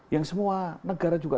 yang semua negara juga